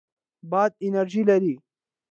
باد انرژي لري.